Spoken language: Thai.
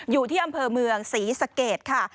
อยู่ที่อำเภอเมืองศรีสะเกดค่ะ